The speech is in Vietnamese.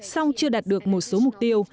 xong chưa đạt được một số mục tiêu